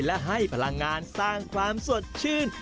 และให้พลังงานสร้างความสดชื่น